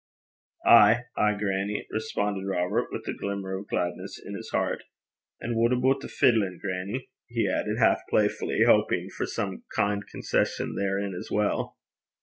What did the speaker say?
'Ay, ay, grannie,' responded Robert, with a glimmer of gladness in his heart. 'And what aboot the fiddlin', grannie?' he added, half playfully, hoping for some kind concession therein as well.